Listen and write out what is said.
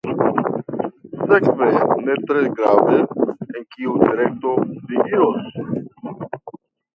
Sekve, ne tre grave en kiu direkto vi iros.